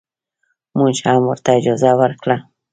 موږ هم ورته اجازه ورکړه.